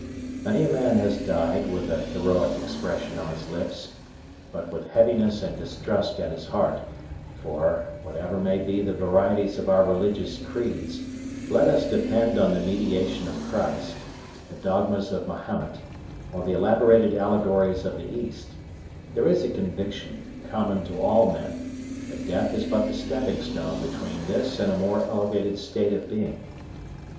Many a man has died with a heroic expression on his lips, but with heaviness and distrust at his heart; for, whatever may be the varieties of our religious creeds, let us depend on the mediation of Christ, the dogmas of Mahomet, or the elaborated allegories of the East, there is a conviction, common to all men, that death is but the stepping stone between this and a more elevated state of being.